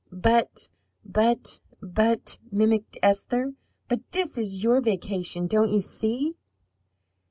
"'But, but, but,'" mimicked Esther. "But this is your vacation, don't you see?"